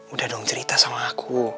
udah dong cerita sama aku